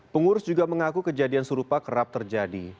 pengurus juga mengaku kejadian serupa kerap terjadi